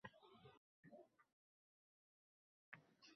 — Ana bu boshqa gap! — dedi komandir.